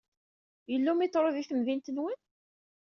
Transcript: Yella umiṭru di temdint-nwen?